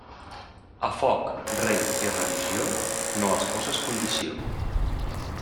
A foc, rei i religió, no els poses condició.